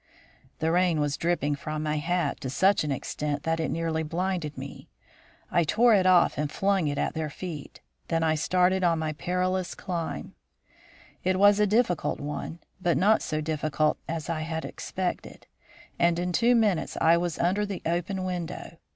The rain was dripping from my hat to such an extent that it nearly blinded me. I tore it off and flung it at their feet; then I started on my perilous climb. [Illustration: "IN TWO MINUTES I WAS UNDER THAT OPEN WINDOW"] It was a difficult one, but not so difficult as I had expected; and in two minutes I was under that open window.